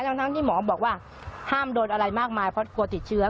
ทั้งที่หมอบอกว่าห้ามโดนอะไรมากมายเพราะกลัวติดเชื้อ